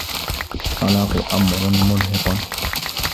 الطّلاق أمر مرهق.